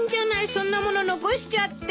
そんなもの残しちゃって。